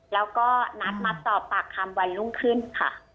แล้วก็นัดมาสอบปากคำวันรุ่งขึ้นค่ะ